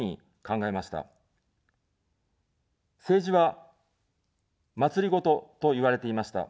政治は、まつりごとといわれていました。